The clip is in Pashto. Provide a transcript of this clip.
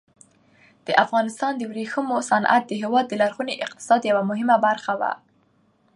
د افغانستان د ورېښمو صنعت د هېواد د لرغوني اقتصاد یوه مهمه برخه وه.